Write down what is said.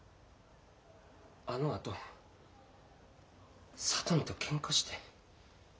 あのあと里美とケンカして。